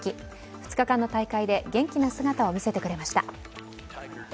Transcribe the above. ２日間の大会で元気な姿を見せてくれました。